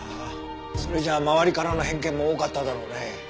それじゃあ周りからの偏見も多かっただろうね。